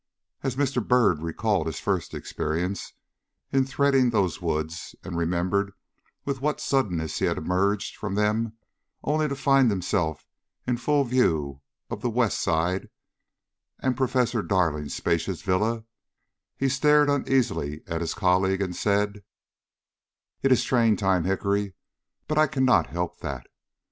As Mr. Byrd recalled his first experience in threading those woods, and remembered with what suddenness he had emerged from them only to find himself in full view of the West Side and Professor Darling's spacious villa, he stared uneasily at his colleague and said: "It is train time, Hickory, but I cannot help that.